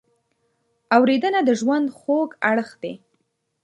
اورېدنه د ژوند خوږ اړخ دی.